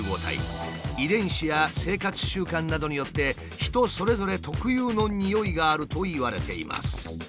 遺伝子や生活習慣などによって人それぞれ特有のにおいがあるといわれています。